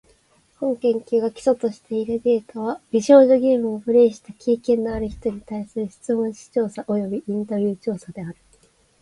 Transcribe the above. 本研究が基礎としているデータは、美少女ゲームをプレイした経験のある人に対する質問紙調査およびインタビュー調査である。